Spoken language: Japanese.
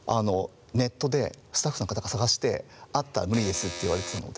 ネットでスタッフの方が探して「あったら無理です」って言われてたので。